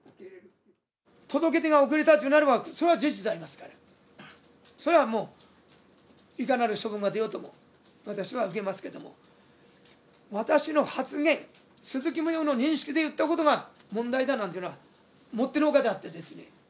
届け出が遅れたというのであれば、それは事実でありますから、それはもういかなる処分が出ようとも私は受けますけれども、私の発言、鈴木宗男の認識で言ったことが問題だなんていうのは、もってのほかであってですね。